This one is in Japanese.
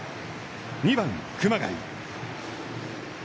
２番熊谷。